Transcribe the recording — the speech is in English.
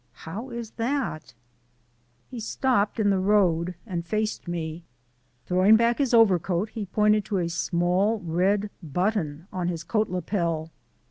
"How is that?" He stopped in the road and faced me. Throwing back his overcoat he pointed to a small red button on his coat lapel.